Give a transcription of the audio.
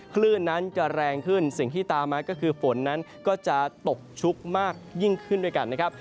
คลื่นนั้นจะแรงขึ้นสิ่งที่ตามมาก็คือฝนนั้นก็จะตกชุกมากยิ่งขึ้นด้วยกันนะครับ